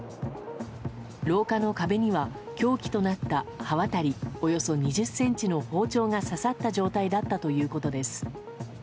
廊下の壁には、凶器となった刃渡りおよそ２０ｃｍの包丁が刺さった状態だったということです。